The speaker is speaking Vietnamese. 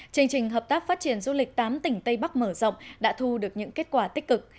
chương trình hợp tác phát triển du lịch tám tỉnh tây bắc mở rộng đã thu được những kết quả tích cực